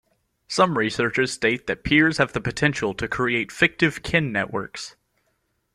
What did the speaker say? Some researchers state that peers have the potential to create fictive kin networks.